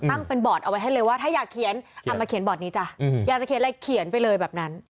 ตั้งเป็นบอร์ดเอาไว้ให้เลยว่าถ้าอยากเขียนเอามาเขียนบอร์ดนี้จ้ะอยากจะเขียนอะไรเขียนไปเลยแบบนั้น